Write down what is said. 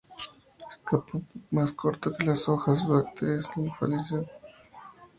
Escapo más corto que las hojas; brácteas foliáceas, densamente imbricadas.